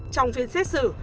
trong phiên xét xử